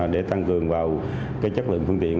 để tăng cường vào chất lượng phương tiện